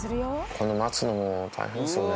ここで待つのも大変ですよね。